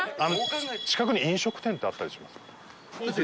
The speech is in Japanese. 近くに飲食店ってあったりします？